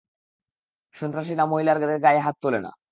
সন্ত্রাসীরা মহিলাদের গায়ে হাত তোলে না।